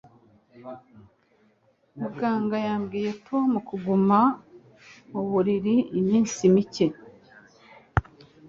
Muganga yabwiye Tom kuguma mu buriri iminsi mike.